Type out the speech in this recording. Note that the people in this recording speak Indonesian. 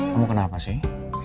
kamu kenapa sih